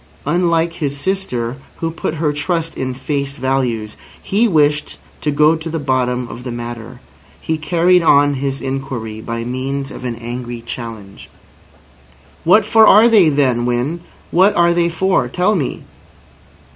Unlike his sister, who put her trust in face values, he wished to go to the bottom of the matter. He carried on his inquiry by means of an angry challenge. "What for are they then, Winn? What are they for? Tell me."